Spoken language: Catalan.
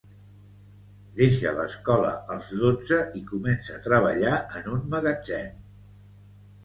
Deixa l'escola als dotze i comença a treballar en un magatzem.